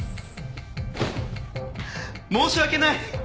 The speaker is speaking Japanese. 申し訳ない！